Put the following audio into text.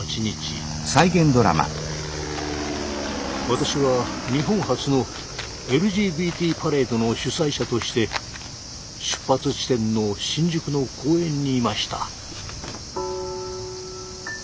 私は日本初のＬＧＢＴパレードの主催者として出発地点の新宿の公園にいました。